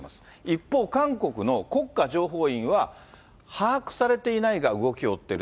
一方、韓国の国家情報院は、把握されてないが動きを追っている。